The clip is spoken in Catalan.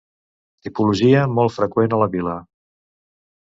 Tipologia molt freqüent a la vila.